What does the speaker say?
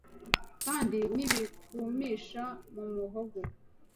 kandi n’ibikumisha mu muhogo